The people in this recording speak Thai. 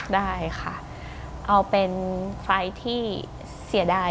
ได้ค่ะเอาเป็นไฟล์ที่เสียดาย